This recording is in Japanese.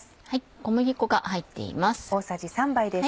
小麦粉が入っています。